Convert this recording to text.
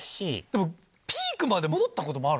でもピークまで戻ったこともあるんですか？